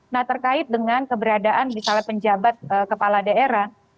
nah terkait dengan keberadaan misalnya penjabat kepala daerah